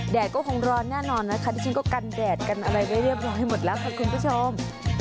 ก็คงร้อนแน่นอนนะคะที่ฉันก็กันแดดกันอะไรไว้เรียบร้อยหมดแล้วค่ะคุณผู้ชม